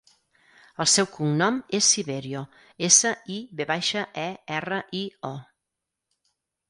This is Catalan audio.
El seu cognom és Siverio: essa, i, ve baixa, e, erra, i, o.